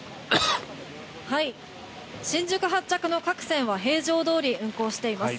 新宿発着の各線は平常どおり運行しています。